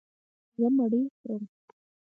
زه مړۍ خورم.